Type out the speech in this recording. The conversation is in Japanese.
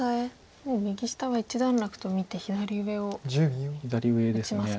もう右下は一段落と見て左上を打ちますか。